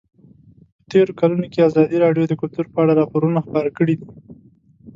په تېرو کلونو کې ازادي راډیو د کلتور په اړه راپورونه خپاره کړي دي.